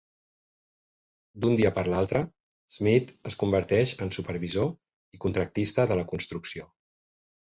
D'un dia per l'altre, Smith es converteix en supervisor i contractista de la construcció.